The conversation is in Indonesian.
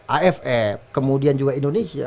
aff kemudian juga indonesia